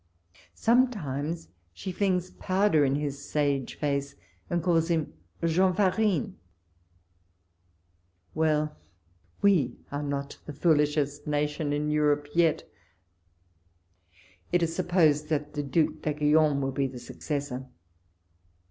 Sometimes she tlings pow der in his sage face, and calls him Jean Farinc! Well ! we are not the foolishest nation in Europe yet ! It is supposed that the Due d'Aiguillon will be the successor.